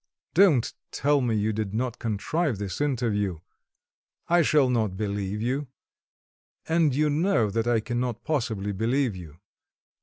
Don't tell me you did not contrive this interview; I shall not believe you and you know that I cannot possibly believe you.